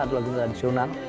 atau lagu tradisional